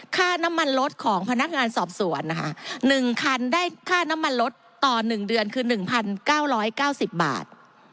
ค่าน้ำมันรถของพนักงานสอบสวนนะคะ๑คันได้ค่าน้ำมันลดต่อ๑เดือนคือ๑๙๙๐บาท